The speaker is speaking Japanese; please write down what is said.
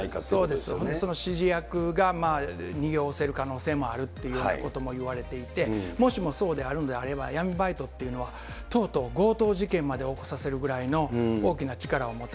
そうです、その指示役が逃げおおせる可能性もあるというようなこともいわれていて、もしもそうであるんであれば、闇バイトというのはとうとう強盗事件まで起こさせるぐらいの大きな力を持った。